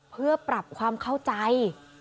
เพื่อปรับความเข้าใจ